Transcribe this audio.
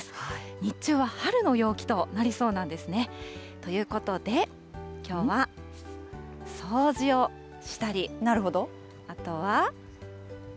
日中は春の陽気となりそうなんですね。ということで、きょうは掃除をしたり、あとは？